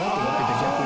逆に。